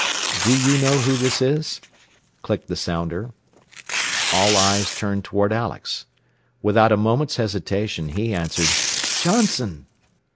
"Do you know who this is?" clicked the sounder. All eyes turned toward Alex. Without a moment's hesitation he answered, "Johnson."